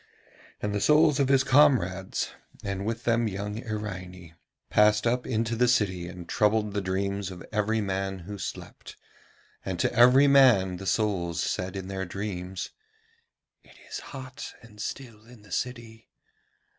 And the souls of his comrades, and with them young Iraine, passed up into the city and troubled the dreams of every man who slept, and to every man the souls said in their dreams: 'It is hot and still in the city.